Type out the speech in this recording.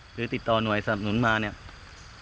หรือติดต่อหน่วยสนุนมาเนี่ย